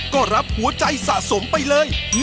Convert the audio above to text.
ก็รับหัวใจสะสมไปเลย